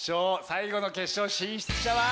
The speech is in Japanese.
最後の決勝進出者は。